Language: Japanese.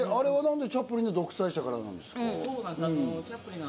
チャップリンの『独裁者』からなんですか？